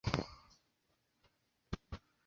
Debido a sus lesiones Ward se retiró.